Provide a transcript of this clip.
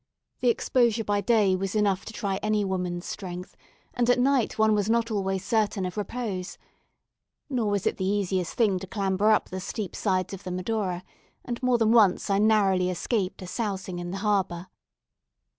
The exposure by day was enough to try any woman's strength; and at night one was not always certain of repose. Nor was it the easiest thing to clamber up the steep sides of the "Medora;" and more than once I narrowly escaped a sousing in the harbour.